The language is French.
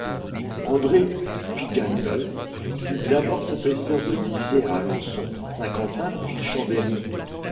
André Piganiol fut d'abord professeur de lycée à Alençon, Saint-Quentin puis Chambéry.